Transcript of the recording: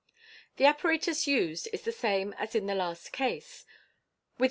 The apparatus used is the same as in the last case, with the")!